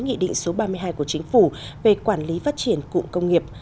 nghị định số ba mươi hai của chính phủ về quản lý phát triển cụng công nghiệp